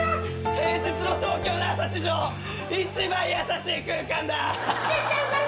平日の東京の朝史上一番優しい空間だ！絶対受かります！